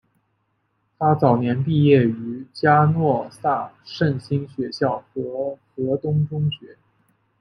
她早年毕业于嘉诺撒圣心学校和何东中学。